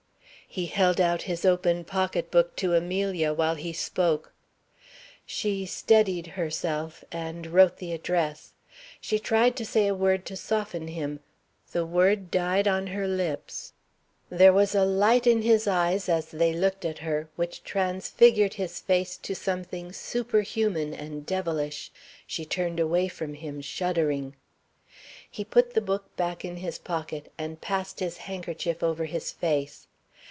He held out his open pocketbook to Amelia while he spoke. She steadied herself, and wrote the address. She tried to say a word to soften him. The word died on her lips. There was a light in his eyes as they looked at her which transfigured his face to something superhuman and devilish. She turned away from him, shuddering. He put the book back in his pocket, and passed his handkerchief over his face.